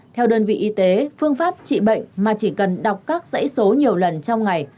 theo đơn vị y tế phương pháp trị bệnh mà chỉ cần đọc các giấy số nhiều lần trong ngày